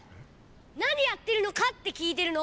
なにやってるのかってきいてるの！